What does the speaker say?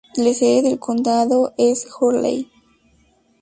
La sede del condado es Hurley.